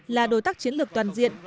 là đối tác chiến lược toàn diện